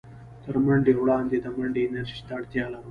تر منډې وړاندې د منډې انرژۍ ته اړتيا لرو.